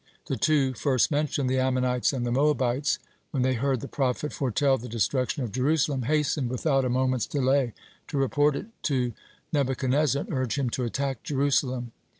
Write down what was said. The two first mentioned, the Ammonites and the Moabites, when they heard the prophet foretell the destruction of Jerusalem, hastened without a moment's delay to report it to Nebuchadnezzar, and urge him to attack Jerusalem.